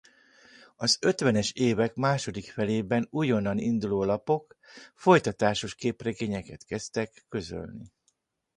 Az ötvenes évek második felében újonnan induló lapok folytatásos képregényeket kezdtek közölni.